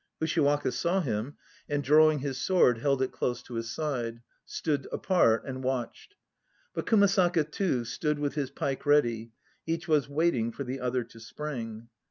Ushiwaka saw him, and drawing his sword held it close to his side, Stood apart and watched. But Kumasaka too stood with his pike ready. Each was waiting for the other to spring.